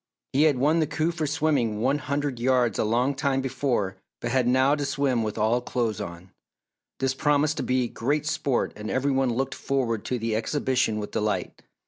He had won the coup for swimming one hundred yards a long time before but had now to swim with all clothes on. This promised to be great sport and every one looked forward to the exhibition with delight.